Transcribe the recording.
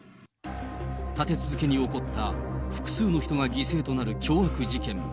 立て続けに起こった複数の人が犠牲となる凶悪事件。